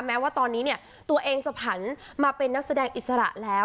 แม้ว่าตอนนี้เนี่ยตัวเองจะผันมาเป็นนักแสดงอิสระแล้ว